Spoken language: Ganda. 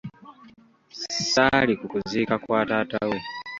"Ssaali ku kuziika kwa taata we.